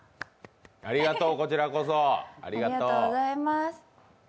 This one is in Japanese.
ありがとう、こちらこそありがとう。